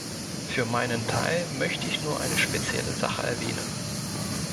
Für meinen Teil möchte ich nur eine spezielle Sache erwähnen.